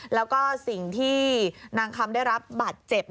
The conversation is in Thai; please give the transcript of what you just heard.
แล้วก็สิ่งที่นางคำได้รับบาดเจ็บ